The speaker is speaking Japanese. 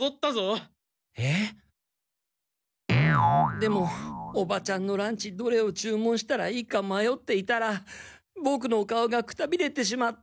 でもおばちゃんのランチどれを注文したらいいか迷っていたらボクの顔がくたびれてしまった。